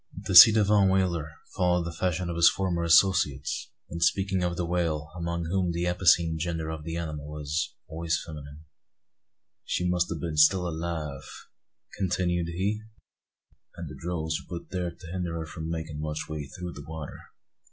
(The ci devant whaler followed the fashion of his former associates, in speaking of the whale, among whom the epicene gender of the animal is always feminine.) "She must a' been still alive," continued he, "and the drogues were put thear to hinder her from makin' much way through the water.